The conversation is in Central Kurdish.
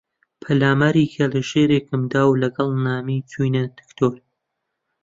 پەلاماری کەڵەشێرێکم دا و لەگەڵ نامی چووینە دکتۆر